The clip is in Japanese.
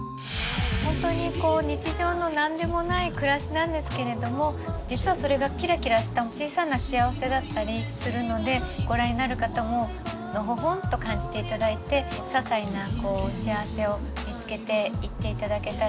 本当にこう日常の何でもない暮らしなんですけれども実はそれがキラキラした小さな幸せだったりするのでご覧になる方ものほほんと感じて頂いてささいな幸せを見つけていって頂けたらなっていうふうに思ってます。